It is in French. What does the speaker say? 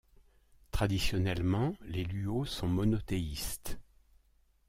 Traditionnellement, les Luo sont monothéistes.